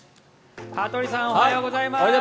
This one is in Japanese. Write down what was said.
羽鳥さんおはようございます。